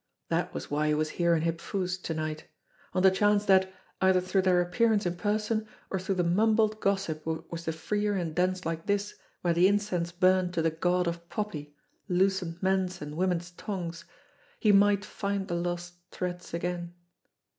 That was why he was here in Hip Foo's to night on the chance that, either through their appearance in person, or through the mumbled gossip which was the freer in dens like this where the incense burned to the God of Poppy loosened men's and women's tongues, he might find the lost threads again.